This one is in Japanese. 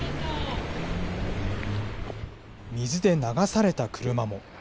水で流された車も。